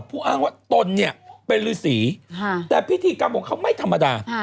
อ้างว่าตนเนี่ยเป็นฤษีแต่พิธีกรรมของเขาไม่ธรรมดา